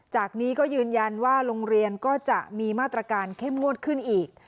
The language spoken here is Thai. จากนี้ก็ยืนยันว่าโรงเรียนก็จะมีมาตรการเข้มงวดขึ้นอีก